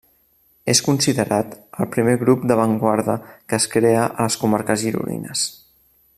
És considerat el primer grup d'avantguarda que es crea a les comarques gironines.